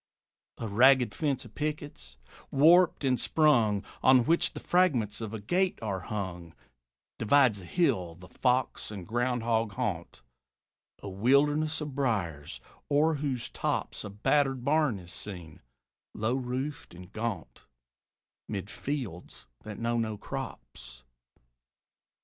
A ragged fence of pickets, warped and sprung, On which the fragments of a gate are hung, Divides a hill, the fox and ground hog haunt, A wilderness of briers; o'er whose tops A battered barn is seen, low roofed and gaunt, 'Mid fields that know no crops.